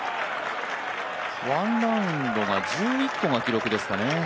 １ラウンドで１１個が記録ですかね。